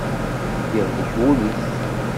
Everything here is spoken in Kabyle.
Yehlek wul-is.